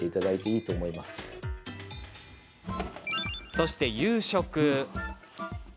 そして、夕食。